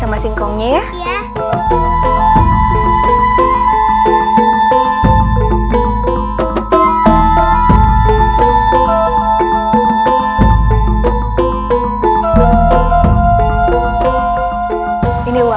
mana uang keamanannya